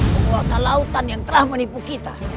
penguasa lautan yang telah menipu kita